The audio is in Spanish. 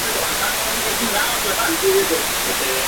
Ha participado en conferencias sobre literatura a lo largo de su país.